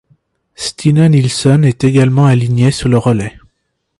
Stina Nilsson est également alignée sur le relais.